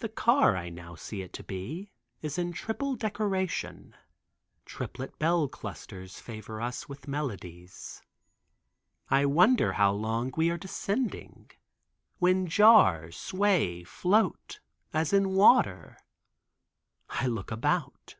The car, I now see it to be, is in triplet decoration. Triplet bell clusters favor us with melodies. I wonder how long we are descending, when jar, sway, float, as in water. I look about.